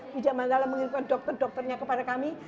di jaman lala mengirimkan dokter dokternya kepada kami